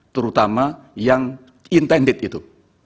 terutama yang intended itu